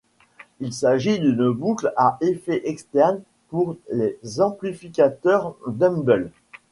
Il s’agit d’une boucle à effet externe pour les amplificateurs Dumble.